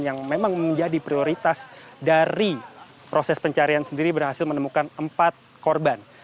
yang memang menjadi prioritas dari proses pencarian sendiri berhasil menemukan empat korban